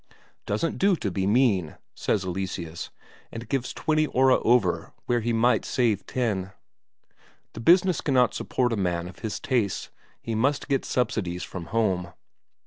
"Doesn't do to be mean," says Eleseus, and gives twenty Ore over where he might save ten. The business cannot support a man of his tastes, he must get subsidies from home.